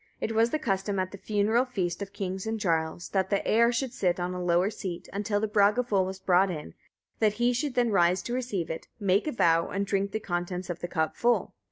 It was the custom at the funeral feast of kings and jarls, that the heir should sit on a lower seat, until the Bragafull was brought in, that he should then rise to receive it, make a vow, and drink the contents of the cup (full).